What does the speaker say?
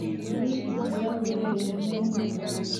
ni ikirahure yamennye